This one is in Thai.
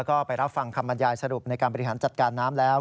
ก็ไปรับฟังคำบรรยายสรุปในการบริหารจัดการน้ำแล้ว